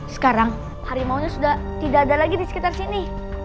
sekarang harimaunya sudah tidak ada lagi di sekitar sini